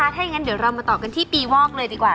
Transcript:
ถ้าอย่างนั้นเดี๋ยวเรามาต่อกันที่ปีวอกเลยดีกว่า